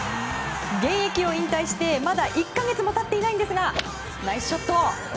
現役引退して、まだ１か月も経っていないんですがナイスショット！